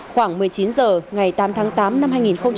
khoảng một mươi chín h ngày tám tháng tám năm hai nghìn một mươi chín